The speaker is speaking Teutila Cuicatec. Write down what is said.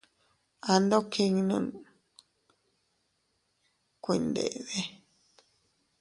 Ando kinnun kuindedi.